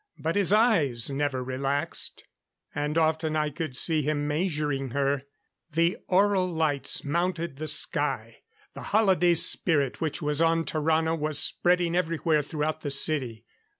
But his eyes never relaxed; and often I could see him measuring her. The aural lights mounted the sky. The holiday spirit which was on Tarrano was spreading everywhere throughout the city.